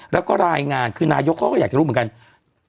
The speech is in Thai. แล้วก็รายงานคือนายกเขาก็อยากจะรู้เหมือนกัน